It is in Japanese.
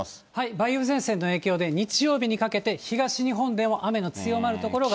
梅雨前線の影響で日曜日にかけて東日本でも雨の強まる所が。